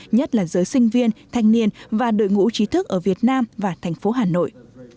nhất là giới sinh viên thanh niên và đội ngũ trí thức ở việt nam và tp hà nội